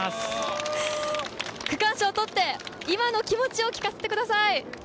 区間賞を取って、今の気持ちを聞かせてください。